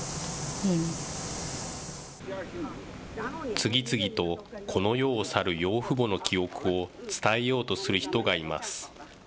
次々とこの世を去る養父母の記憶を伝えようとする人がいます。